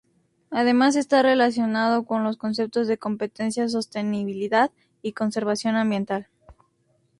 Además, está relacionado con los conceptos de competencia, sostenibilidad y conservación ambiental.